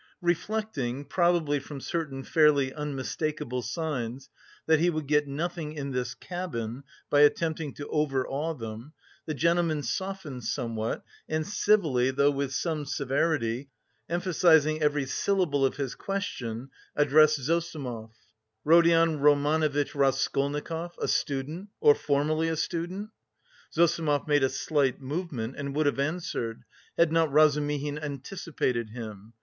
Reflecting, probably from certain fairly unmistakable signs, that he would get nothing in this "cabin" by attempting to overawe them, the gentleman softened somewhat, and civilly, though with some severity, emphasising every syllable of his question, addressed Zossimov: "Rodion Romanovitch Raskolnikov, a student, or formerly a student?" Zossimov made a slight movement, and would have answered, had not Razumihin anticipated him.